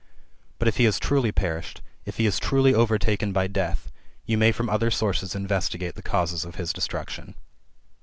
But if he has truly perished, if he is truly overtaken by death, you may from other sources investigate the causes of his destruction."